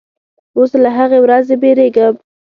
اوس له هغې ورځې بیریږم